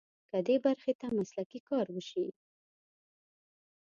که دې برخې ته مسلکي کار وشي.